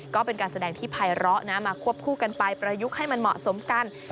ก็เป็นการแสดงที่ภัยเลาะมาควบคู่กันไปประยุกต์ให้มันเหมาะสมกัน